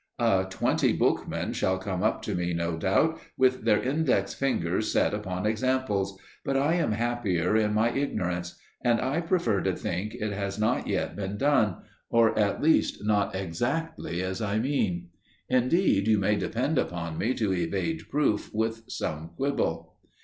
A twenty bookmen shall come up to me, no doubt, with their index fingers set upon examples, but I am happier in my ignorance, and I prefer to think it has not yet been done or, at least, not exactly as I mean. Indeed, you may depend upon me to evade proof with some quibble.